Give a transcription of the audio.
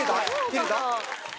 入れた？